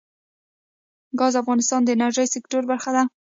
ګاز د افغانستان د انرژۍ سکتور برخه ده.